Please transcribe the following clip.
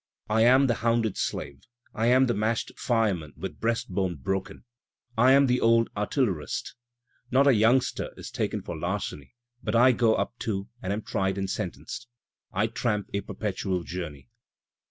"I am the hounded slave." "I am the mashed fireman with breast bone broken." "I am the old artil lerist." "Not a yoimgster is taken for larceny but I go up too, and am tried and sentenced." "I tramp a perpetual journey."